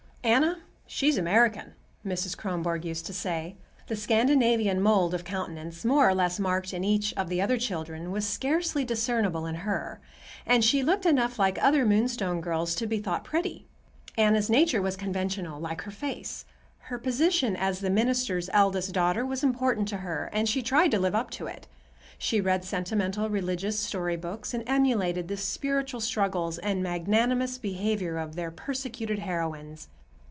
"Anna, she's American," Mrs. Kronborg used to say. The Scandinavian mould of countenance, more or less marked in each of the other children, was scarcely discernible in her, and she looked enough like other Moonstone girls to be thought pretty. Anna's nature was conventional, like her face. Her position as the minister's eldest daughter was important to her, and she tried to live up to it. She read sentimental religious story books and emulated the spiritual struggles and magnanimous behavior of their persecuted heroines.